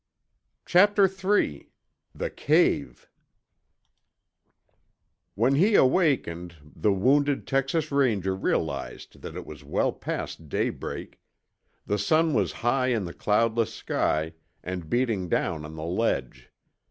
Chapter III THE CAVE When he awakened, the wounded Texas Ranger realized that it was well past daybreak; the sun was high in the cloudless sky and beating down on the ledge.